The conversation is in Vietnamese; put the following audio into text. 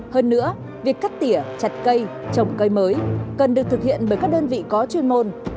hơn nữa việc cắt tỉa chặt cây trồng cây mới cần được thực hiện bởi các đơn vị có chuyên môn